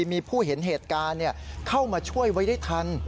มีผู้เห็นเหตุการณ์เข้ามาช่วยไว้ได้ทัน